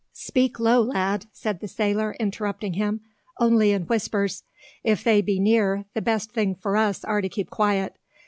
"Speak low, lad!" said the sailor, interrupting him, "only in whispers. If they be near, the best thing for us are to keep quiet.